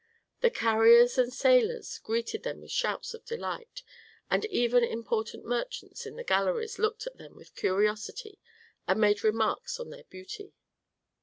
The carriers and sailors greeted them with shouts of delight, and even important merchants in the galleries looked at them with curiosity and made remarks on their beauty.